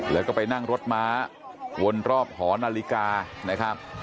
แล้วก็ไปนั่งรถม้าวนรอบหอนาฬิกานะครับ